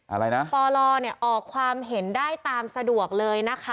อะไรนะฟลเนี่ยออกความเห็นได้ตามสะดวกเลยนะคะ